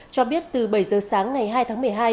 cho biết từ bảy giờ sáng ngày hai tháng một mươi hai